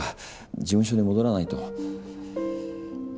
事務所に戻らないと。